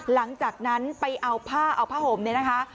หลังจากนั้นไปเอาผ้าเอาผ้าห่มเนี่ยนะคะ